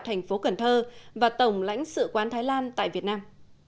thành phố cần thơ và tổng lãnh sự quán thái lan tại việt nam